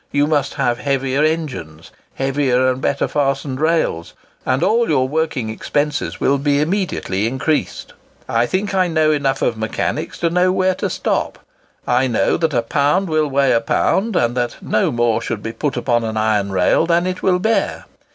You must have heavier engines, heavier and better fastened rails, and all your working expenses will be immediately increased. I think I know enough of mechanics to know where to stop. I know that a pound will weigh a pound, and that no more should be put upon an iron rail than it will bear.